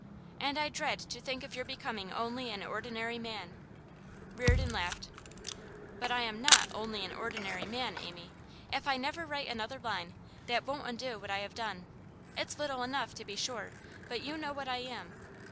And I dread to think of your becoming only an ordinary man ' Reardon laughed. 'But I am NOT "only an ordinary man," Amy! If I never write another line, that won't undo what I have done. It's little enough, to be sure; but you know what I am.